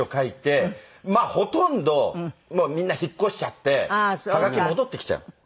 まあほとんどもうみんな引っ越しちゃってハガキ戻ってきちゃう。